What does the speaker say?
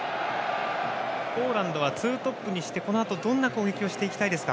ポーランドはツートップにしてこのあとどんな攻撃をしていきたいですか？